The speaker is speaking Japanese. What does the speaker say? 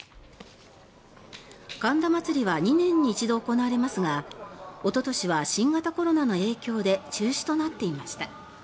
神田祭は２年に一度行われますがおととしは新型コロナの影響で中止となっていました。